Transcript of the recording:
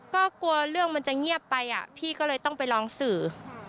ก็กลัวเรื่องมันจะเงียบไปพี่ก็เลยต้องไปร้องสื่อ